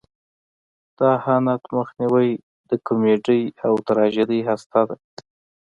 د اهانت مخنیوی د کمیډۍ او تراژیدۍ هسته ده.